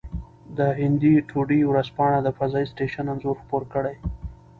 د هند ټوډې ورځپاڼه د فضايي سټېشن انځور خپور کړی.